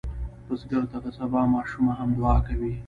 بزګر ته د سبا ماشومه هم دعا کوي